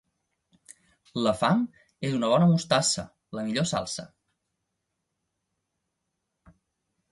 La fam és una bona mostassa, la millor salsa.